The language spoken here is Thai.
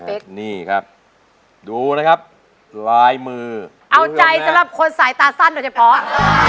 เอาประโยคเดียวกันเลย